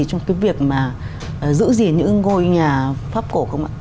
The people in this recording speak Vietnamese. trong cái việc mà giữ gì những ngôi nhà pháp cổ không ạ